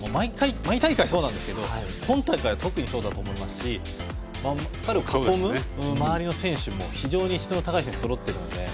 毎大会そうなんですけど今大会は特にそうだと思いますし彼を囲む周りの選手も非常に質の高い選手がそろっているので。